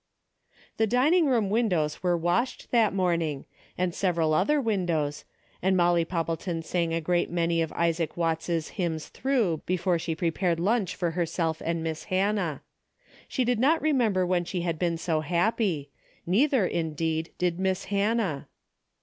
The dining room windows were washed that morning, and several other windows, and Molly Poppleton sang a great many of Isaac Watts' hymns through before she prepared lunch for herself and Miss Hannah. She did not remember when she had been so happy. Neither, indeed, did Miss Hannah.